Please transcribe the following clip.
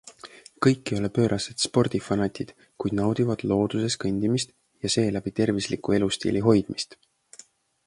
Kõik ei ole pöörased spordifanatid, kuid naudivad looduses kõndimist ja seeläbi tervisliku elustiili hoidmist.